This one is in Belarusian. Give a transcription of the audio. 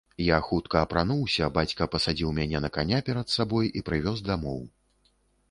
Я хутка апрануўся, бацька пасадзіў мяне на каня перад сабой і прывёз дамоў.